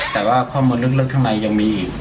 แต่ว่าข้อมูลลึกข้างในยังมีอีก